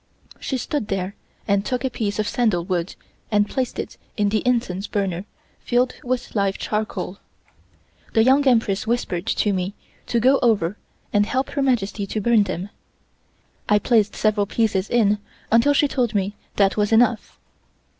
She stood there and took a piece of sandalwood and placed it in the incense burner filled with live charcoal. The Young Empress whispered to me to go over and help Her Majesty to burn them. I placed several pieces in until she told me that was enough.